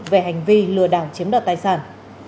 về hành vi lừa đảo chiếm đoạt tài sản